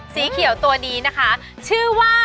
สีเขียวตัวนี้นะคะชื่อว่า